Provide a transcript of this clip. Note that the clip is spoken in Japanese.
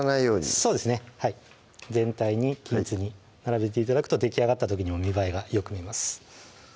そうですねはい全体に均一に並べて頂くとできあがった時にも見栄えがよく見えます